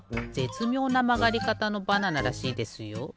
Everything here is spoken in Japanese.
つみょうなまがりかたのバナナらしいですよ。